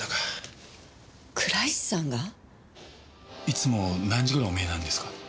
いつも何時頃お見えなんですか？